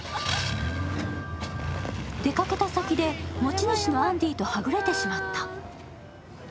出かけた先で持ち主のアンディとはぐれてしまった。